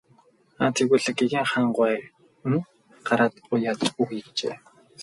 Аа тэгвэл гэгээн хаан гуай нь гараад уяад өгье гэжээ.